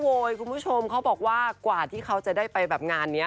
คุณผู้ชมเขาบอกว่ากว่าที่เขาจะได้ไปแบบงานนี้